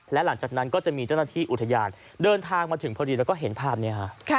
และหลังจากนั้นก็จะมีเจ้าหน้าที่อุทยานเดินทางมาถึงพอดีแล้วก็เห็นภาพนี้ฮะ